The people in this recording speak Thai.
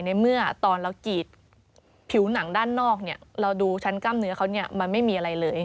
ในเมื่อตอนเรากรีดผิวหนังด้านนอกเราดูชั้นกล้ามเนื้อเขามันไม่มีอะไรเลย